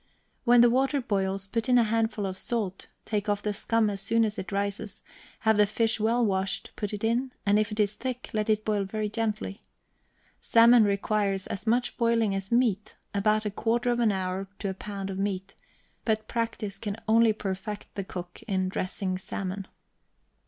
When the water boils put in a handful of salt, take off the scum as soon as it rises; have the fish well washed, put it in, and if it is thick, let it boil very gently. Salmon requires as much boiling as meat; about a quarter of an hour to a pound of meat; but practice can only perfect the cook in dressing salmon.